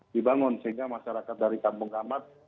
dibangun sehingga masyarakat dari kampung hamat